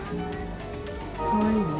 かわいいね。